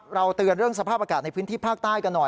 เตือนเรื่องสภาพอากาศในพื้นที่ภาคใต้กันหน่อย